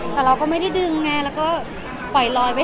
แต่เราก็ไม่ได้ดึงไงแล้วก็ปล่อยลอยไป